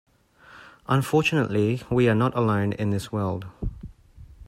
Unfortunately, we are not alone in this world.